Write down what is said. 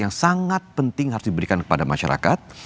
yang sangat penting harus diberikan kepada masyarakat